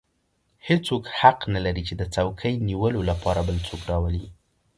هېڅوک حق نه لري چې د څوکۍ نیولو لپاره بل څوک راولي.